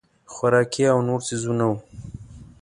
خوراکي او نور څیزونه وو.